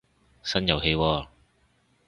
新遊戲喎